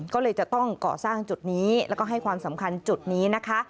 ก็เลยจะต้องก่อสร้างจุดนี้แล้วก็ให้ความสำคัญจุดนี้นะคะ